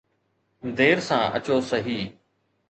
دير سان اچو صحيح.